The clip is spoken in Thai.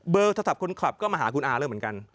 โทรศัพท์คนขับก็มาหาคุณอาแล้วเหมือนกัน